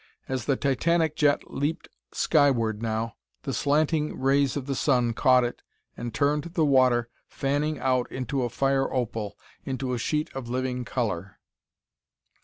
As the titanic jet leaped skyward now, the slanting rays of the sun caught it, and turned the water, fanning out, into a fire opal, into a sheet of living color.